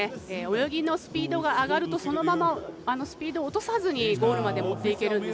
泳ぎのスピードが上がるとそのままスピードを落とさずにゴールまで持っていけるんですよね。